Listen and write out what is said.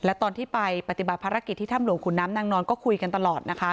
และตอนที่ไปปฏิบัติภารกิจที่ถ้ำหลวงขุนน้ำนางนอนก็คุยกันตลอดนะคะ